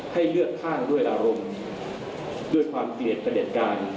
ให้เลือกข้างด้วยอารมณ์ด้วยความเกลียดประเด็จการ